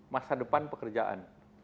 masa depan pekerjaan